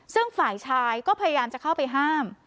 ซึ่งฝ่ายชายก็พยายามจะเข้าไปห้าม